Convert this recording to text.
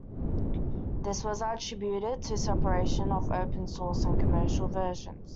This was attributed to separation of opensource and commercial versions.